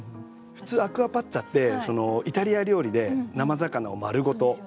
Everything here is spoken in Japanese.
普通アクアパッツァってイタリア料理で生魚を丸ごと煮る料理なんですけど。